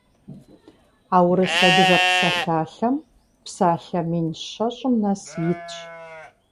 А «Урыс-адыгэ псалъалъэм» псалъэ мин щэщӏым нэс итщ.